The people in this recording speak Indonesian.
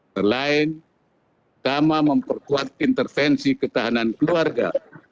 selain sama memperkuat intervensi ketahanan keluarga